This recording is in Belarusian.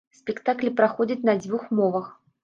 Спектаклі праходзяць на дзвюх мовах.